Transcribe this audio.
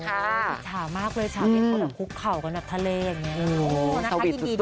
ภาษามากเลยภาษาเห็นคนแบบคุกเข่ากับนับทะเลอย่างนี้